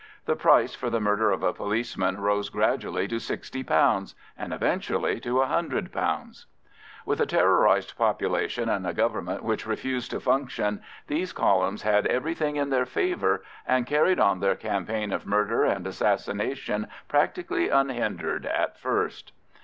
The price for the murder of a policeman rose gradually to £60, and eventually to £100. With a terrorised population and a Government which refused to function, these columns had everything in their favour, and carried on their campaign of murder and assassination practically unhindered at first.